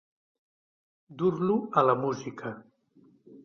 Dur-lo a la música.